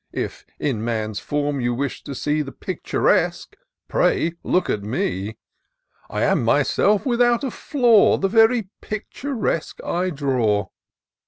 If in man's form you wish to see The Picturesque, pray look at me ; I am myself, without a flaw. The very Picturesque I draw.